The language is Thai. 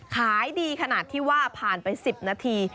ขายดีขนาดที่ว่าผ่านไป๑๐นาที